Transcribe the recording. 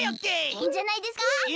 いいんじゃないですか？